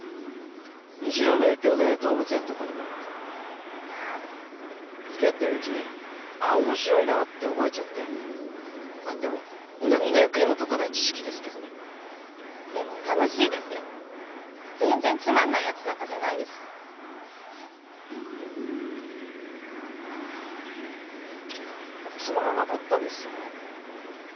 虹朗の影響で動物園とかにもよくああ付き合ってるうちにあっ面白いなって覚えちゃってまあでも何の役にも立たない知識ですけどねでも楽しいですよ全然つまんないやつなんかじゃないですつまらなかったですよね